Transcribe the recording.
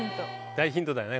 大ヒントだよね。